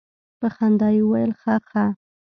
په خندا يې وويل خه خه.